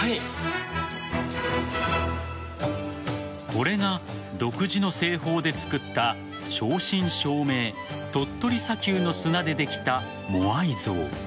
これが独自の製法で作った正真正銘鳥取砂丘の砂で出来たモアイ像。